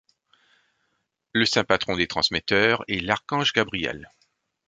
Le saint patron des transmetteurs est l'archange Gabriel.